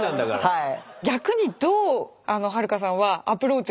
はい。